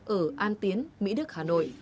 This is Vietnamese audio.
ở an tiến mỹ đức hà nội